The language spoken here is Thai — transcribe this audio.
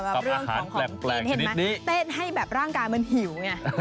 ใช่แล้วสำหรับเรื่องของของปีนเห็นมั้ยเต้นให้แบบร่างกายมันหิวไง